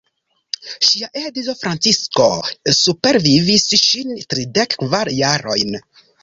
Ŝia edzo Francisko supervivis ŝin tridek kvar jarojn.